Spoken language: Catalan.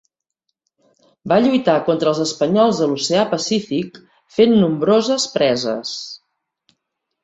Va lluitar contra els espanyols a l'Oceà Pacífic fent nombroses preses.